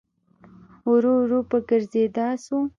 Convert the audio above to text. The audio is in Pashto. ورو ورو په ګرځېدا سو.